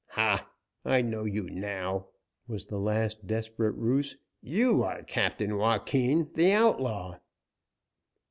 "Ha! I know you now!" was the last desperate ruse. "You are Captain Joaquin, the outlaw!"